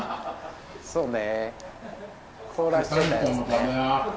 そうね。